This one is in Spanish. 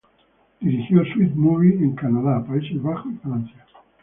Dirigió "Sweet movie" en Canadá, Países Bajos y Francia.